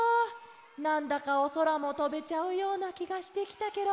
なんだかおそらもとべちゃうようなきがしてきたケロ。